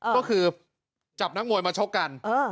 ก็คือจับนักมวยมาชกกัน